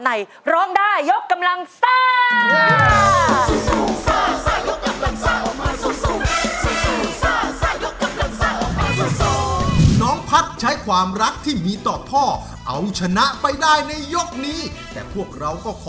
ในร้องได้ยกกำลังสตาร์